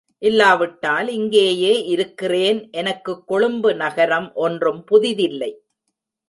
இல்லாவிட்டால் இங்கேயே இருக்கிறேன் எனக்கு கொழும்பு நகரம் ஒன்றும் புதிதில்லை.